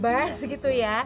biar kan terbang bebas gitu ya